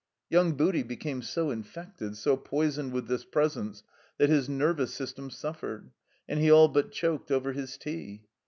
Young Booty became so infected, so poisoned with this presence that his nervous system suffered, and he all but choked over his tea.